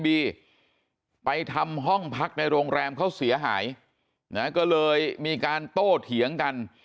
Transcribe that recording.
ไปทำห้องพักในโรงแรมเขาเสียหายนะก็เลยมีการโต้เถียงกัน